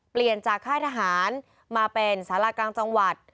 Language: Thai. เปลี่ยนจากค่ายทหารมาเป็นสารากลางจังหวัด